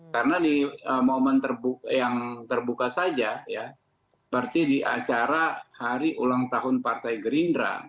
karena di momen yang terbuka saja ya seperti di acara hari ulang tahun partai gerindra